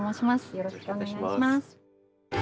よろしくお願いします。